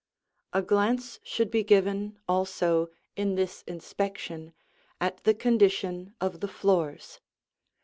A glance should be given also, in this inspection, at the condition of the floors.